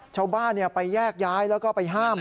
ชาวบ้านไปแยกย้ายแล้วก็ไปห้าม